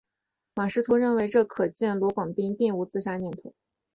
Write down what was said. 马识途认为这可见罗广斌并无自杀念头。